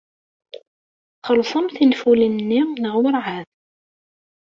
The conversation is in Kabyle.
Txellṣem tinfulin-nni neɣ werɛad?